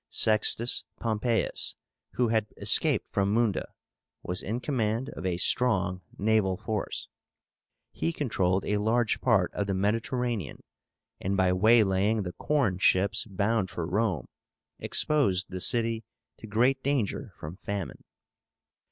Sextus Pompeius, who had escaped from Munda, was in command of a strong naval force. He controlled a large part of the Mediterranean, and, by waylaying the corn ships bound for Rome, exposed the city to great danger from famine.